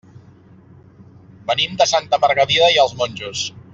Venim de Santa Margarida i els Monjos.